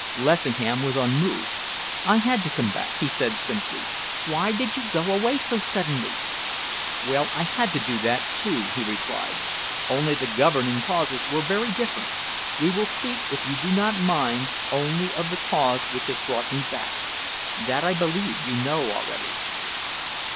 Lessingham was unmoved. "I had to come back," he said simply. "Why did you go away so suddenly?" "Well, I had to do that, too," he replied, "only the governing causes were very different. We will speak, if you do not mind, only of the cause which has brought me back. That I believe you know already."